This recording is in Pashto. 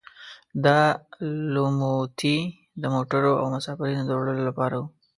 دا لوموتي د موټرونو او مسافرینو د وړلو لپاره وو.